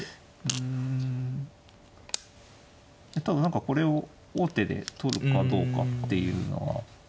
ただ何かこれを王手で取るかどうかっていうのは。